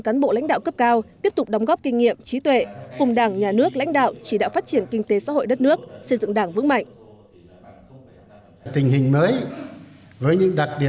các cán bộ lãnh đạo cấp cao tiếp tục đóng góp kinh nghiệm trí tuệ cùng đảng nhà nước lãnh đạo chỉ đạo phát triển kinh tế xã hội đất nước xây dựng đảng vững mạnh